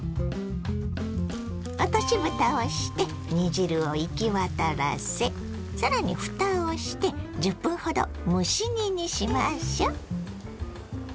落としぶたをして煮汁を行き渡らせさらにふたをして１０分ほど蒸し煮にしましょ。